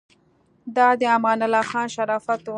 دا د امان الله خان شرافت و.